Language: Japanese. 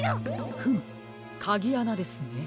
フムかぎあなですね。